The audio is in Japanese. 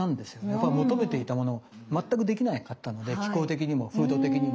やっぱ求めていたものが全くできなかったので気候的にも風土的にも。